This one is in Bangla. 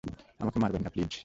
আমাকে মারবেন না, প্লিজ!